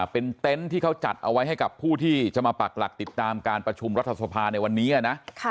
เป็นเต็นต์ที่เขาจัดเอาไว้ให้กับผู้ที่จะมาปักหลักติดตามการประชุมรัฐสภาในวันนี้นะ